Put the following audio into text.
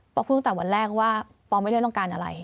พูดตั้งแต่วันแรกว่าปอไม่ได้ต้องการอะไร